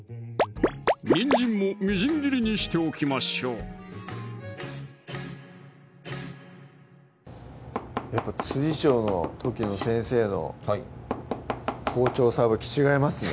にんじんもみじん切りにしておきましょうやっぱ調の時の先生の包丁さばき違いますね